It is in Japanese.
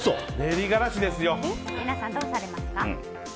皆さん、どうされますか？